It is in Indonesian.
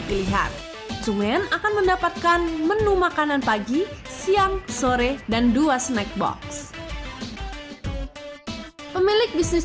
pilihan sumen akan mendapatkan menu makanan pagi siang sore dan dua snack box pemilik bisnis